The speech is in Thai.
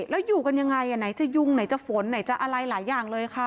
แล้วอยู่กันยังไงไหนจะยุงไหนจะฝนไหนจะอะไรหลายอย่างเลยค่ะ